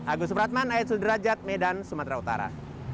agus subratman ayo sudrajat medan sumatera utara